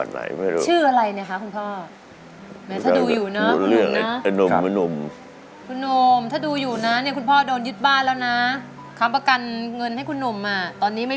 หายไปไหนเลยอ่ะ